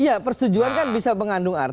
iya persetujuan kan bisa mengandung arti